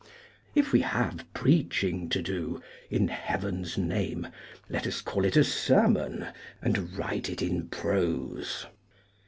If we have preaching to do, in heaven's name let us call it a sermon and write it in prose.